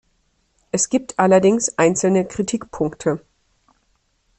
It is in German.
Es gibt allerdings einzelne Kritikpunkte.